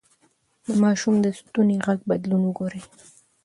د ماشوم د ستوني غږ بدلون وګورئ.